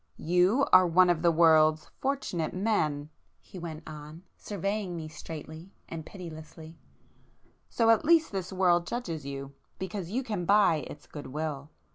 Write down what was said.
"You are one of the world's 'fortunate' men,—" he went on, surveying me straightly and pitilessly—"So at least this world judges you, because you can buy its good will.